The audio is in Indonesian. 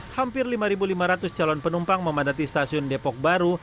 hampir lima lima ratus calon penumpang memadati stasiun depok baru